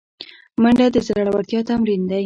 منډه د زړورتیا تمرین دی